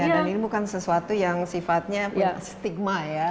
dan ini bukan sesuatu yang sifatnya punya stigma ya